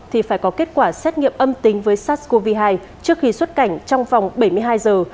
thì phải có kết quả xét nghiệm âm tính với sars cov hai trước khi xuất cảnh trong vòng bảy mươi hai giờ